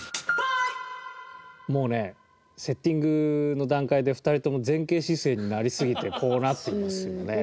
もうねセッティングの段階で２人とも前傾姿勢になりすぎてこうなってますよね。